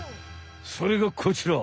それがこちら。